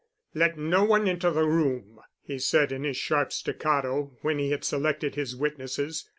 "Let no one enter the room," he said in his sharp staccato, when he had selected his witnesses.